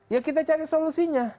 ya kita cari solusinya